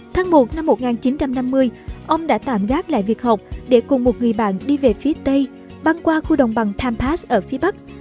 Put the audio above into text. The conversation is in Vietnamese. tháng một năm một nghìn chín trăm năm mươi ông đã tạm gác lại việc học để cùng một người bạn đi về phía tây băng qua khu đồng bằng time pass ở phía bắc